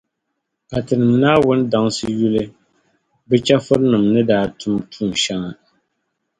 Ka Tinim’ Naawuni daŋsi yuli bɛ chεfurnima ni daa tum tuun’ shɛŋa.